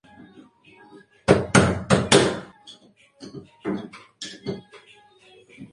Este cambio supuso la desaparición del programa.